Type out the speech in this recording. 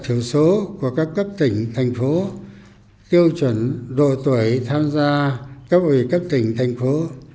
thiểu số của các cấp tỉnh thành phố tiêu chuẩn độ tuổi tham gia cấp ủy cấp tỉnh thành phố